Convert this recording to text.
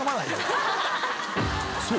［そう。